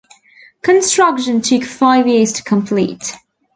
Construction took five years to complete.